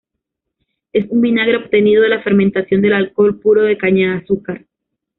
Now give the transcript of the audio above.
Es un vinagre obtenido de la fermentación del alcohol puro de caña de azúcar.